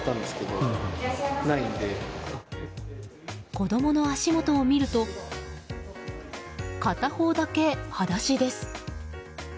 子供の足元を見ると片方だけ裸足です。